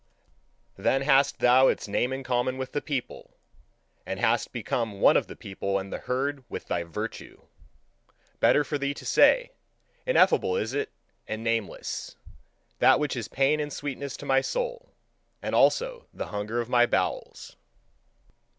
Then hast thou its name in common with the people, and hast become one of the people and the herd with thy virtue! Better for thee to say: "Ineffable is it, and nameless, that which is pain and sweetness to my soul, and also the hunger of my bowels."